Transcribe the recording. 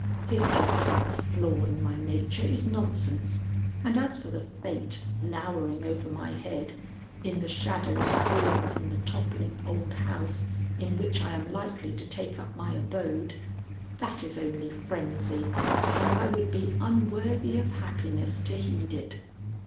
His talk about the flaw in my nature is nonsense, and as for the fate lowering over my head, in the shadows falling from the toppling old house in which I am likely to take up my abode that is only frenzy, and I would be unworthy of happiness to heed it.